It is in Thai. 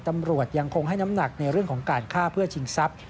ตำรวจยังคงให้น้ำหนักในเรื่องของการฆ่าเพื่อชิงทรัพย์